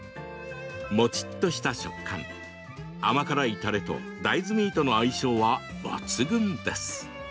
もちっとした食感、甘辛いたれと大豆ミートの相性は抜群です。